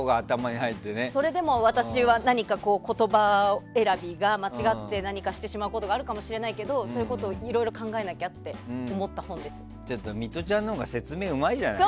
それでも私は言葉選びが間違って何かしてしまうことがあるかもしれないけどそういうことをいろいろ考えなきゃとミトちゃんのほうが説明うまいじゃない。